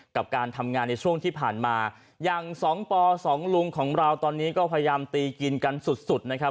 กับการทำงานในช่วงที่ผ่านมาอย่างสองปอสองลุงของเราตอนนี้ก็พยายามตีกินกันสุดสุดนะครับ